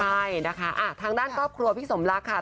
ใช่นะคะทางด้านครอบครัวพี่สมรักค่ะ